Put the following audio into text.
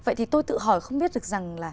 vậy thì tôi tự hỏi không biết được rằng